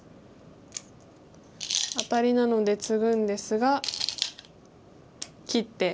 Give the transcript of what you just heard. アタリなのでツグんですが切って。